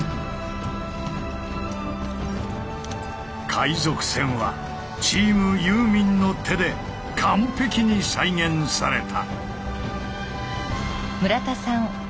海賊船はチームユーミンの手で完璧に再現された。